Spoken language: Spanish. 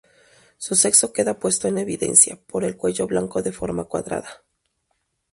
Su sexo queda puesto en evidencia por el cuello blanco de forma cuadrada.